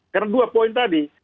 karena dua poin tadi